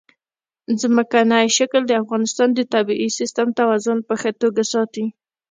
ځمکنی شکل د افغانستان د طبعي سیسټم توازن په ښه توګه ساتي.